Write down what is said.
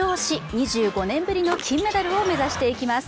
２５年ぶりの金メダルを目指していきます。